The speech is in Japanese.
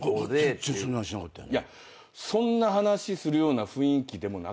全然そんな話しなかったよね。